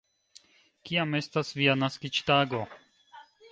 Kiam estas via naskiĝtago?